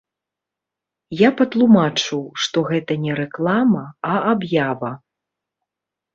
Я патлумачыў, што гэта не рэклама, а аб'ява.